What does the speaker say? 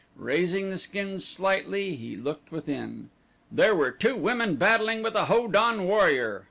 Raising the skins slightly he looked within. There were two women battling with a Ho don warrior.